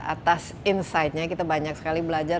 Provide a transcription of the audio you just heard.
atas insight nya kita banyak sekali belajar